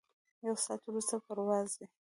یو ساعت وروسته پرواز دی.